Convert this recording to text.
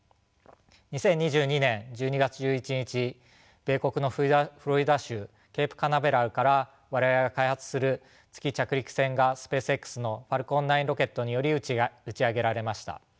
２０２２年１２月１１日米国のフロリダ州ケープカナベラルから我々が開発する月着陸船がＳｐａｃｅＸのＦａｌｃｏｎ９ロケットにより打ち上げられました。